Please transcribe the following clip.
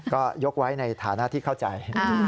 ก็ยกไว้ในฐานะที่เข้าใจ